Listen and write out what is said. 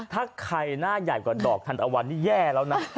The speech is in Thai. ถ้าใครหน้าใหญ่กว่าดอกทันตะวันนี่แย่แล้วนะ